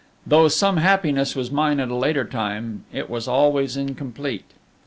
Though some happiness was mine at a later time, it was always incomplete.